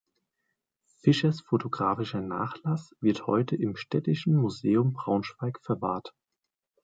Fischers fotografischer Nachlass wird heute im Städtischen Museum Braunschweig verwahrt.